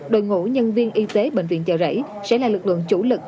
đội ngũ nhân viên y tế bệnh viện chợ rẫy sẽ là lực lượng chủ lực